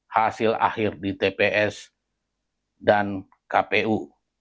hasil akhir di tps dan kpu